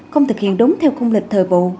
không thực hiện đúng theo khung lịch thời bồ